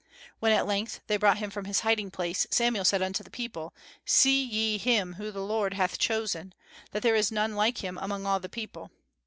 When at length they brought him from his hiding place Samuel said unto the people, "See ye him whom the Lord hath chosen, that there is none like him among all the people!"